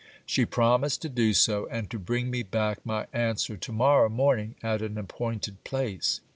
She promised to do so, and to bring me back my answer to morrow morning at an appointed place.